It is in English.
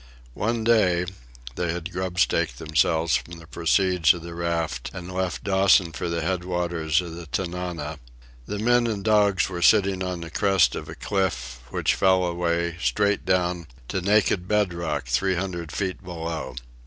One day (they had grub staked themselves from the proceeds of the raft and left Dawson for the head waters of the Tanana) the men and dogs were sitting on the crest of a cliff which fell away, straight down, to naked bed rock three hundred feet below.